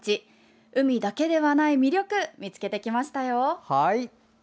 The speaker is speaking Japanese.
海だけではない魅力見つけてきましたよ。